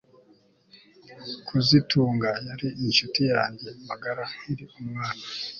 kazitunga yari inshuti yanjye magara nkiri umwana